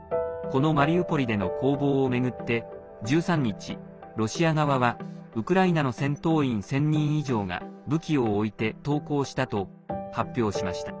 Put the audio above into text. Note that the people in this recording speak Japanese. このマリウポリでの攻防を巡って１３日、ロシア側はウクライナの戦闘員１０００人以上が武器を置いて投降したと発表しました。